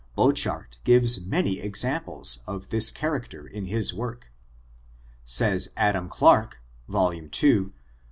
Bochart gives many ex* amples of this character in his work. Says Adam Clarke, voL ii, Coll.